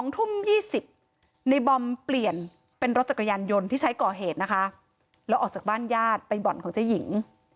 ๒ทุ่ม๒๐ในบอมเปลี่ยนเป็นรถจักรยานยนต์ที่ใช้ก่อเหตุนะคะแล้วออกจากบ้านญาติไปบ่อนของเจ๊หญิง